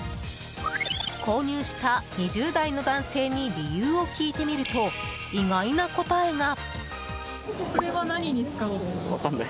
購入した２０代の男性に理由を聞いてみると意外な答えが。